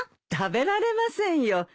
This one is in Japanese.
食べられませんよ。